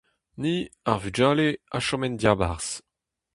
Ni, ar vugale, a chome en diabarzh.